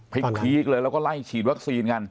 ตอนนั้นพลิกเลยแล้วก็ไล่ฉีดวัคซีนกัน